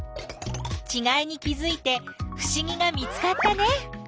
ちがいに気づいてふしぎが見つかったね！